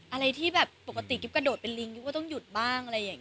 อะไรที่ปกติกิ๊บกระโดดเป็นลิงก็ต้องหยุดบ้าง